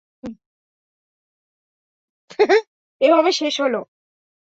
এভাবে শেষ হলো?